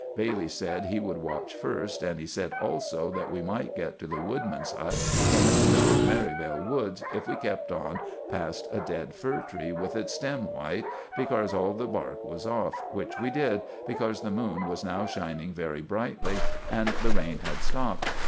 Bailey said he would watch first, and he sed also that we might get to the woodman's hut in the middle of Merivale Woods if we kept on past a ded fir tree with its stem white, becorse all the bark was off, which we did, becorse the moon was now shining very britely, and the rain had stopped.